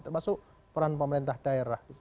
termasuk peran pemerintah daerah